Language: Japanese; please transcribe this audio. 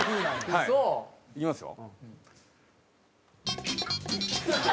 ウソ？いきますよ。